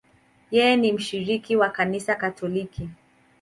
Yeye ni mshiriki wa Kanisa Katoliki.